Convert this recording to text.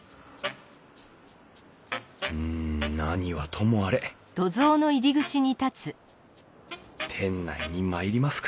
うん何はともあれ店内に参りますか。